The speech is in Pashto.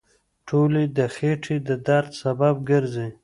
ټولې د خېټې د درد سبب ګرځي.